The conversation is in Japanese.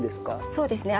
そうですね。